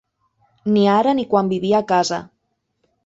Ni ara ni quan vivia a casa.